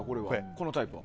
このタイプは。